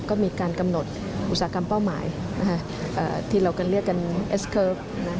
ก็มีการกำหนดอุตสาหกรรมเป้าหมายที่เรากันเรียกกันเอสเคิร์ฟ